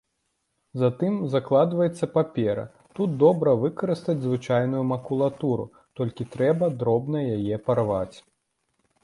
Затым закладваецца папера, тут добра выкарыстаць звычайную макулатуру, толькі трэба дробна яе парваць.